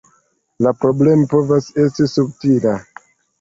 La problemo povas esti subtila.